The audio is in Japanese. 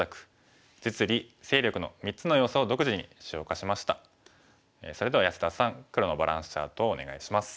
講座ではそれでは安田さん黒のバランスチャートをお願いします。